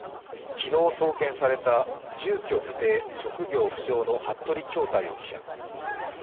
昨日送検された住居不定・職業不詳の服部恭太容疑者。